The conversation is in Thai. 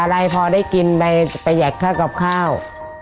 อะไรพอได้กินไปไปแยกข้าวกรอบข้าว